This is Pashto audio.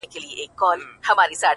يو په بل يې ښخول تېره غاښونه-